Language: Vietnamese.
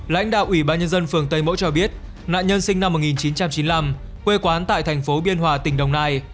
lãnh đạo ủy ban nhân dân phường tây mẫu cho biết nạn nhân sinh năm một nghìn chín trăm chín mươi năm quê quán tại thành phố biên hòa tỉnh đồng nai